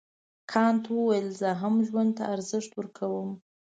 کانت وویل زه هم ژوند ته ارزښت ورکوم.